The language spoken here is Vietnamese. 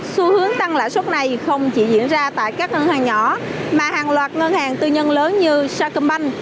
xu hướng tăng lãi suất này không chỉ diễn ra tại các ngân hàng nhỏ mà hàng loạt ngân hàng tư nhân lớn như sacombank